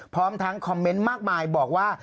พร้อมทั้งคอมเมนต์มากมายบอกว่า